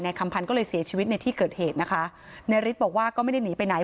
คำพันธ์ก็เลยเสียชีวิตในที่เกิดเหตุนะคะนายฤทธิ์บอกว่าก็ไม่ได้หนีไปไหน